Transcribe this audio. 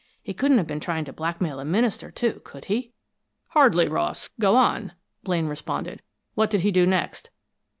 He couldn't have been trying to blackmail the minister, too, could he?" "Hardly, Ross. Go on," Blaine responded. "What did he do next?"